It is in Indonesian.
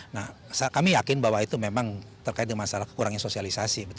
nah kami yakin bahwa itu memang terkait dengan masalah kekurangnya sosialisasi